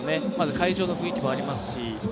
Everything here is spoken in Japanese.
会場の雰囲気もありますし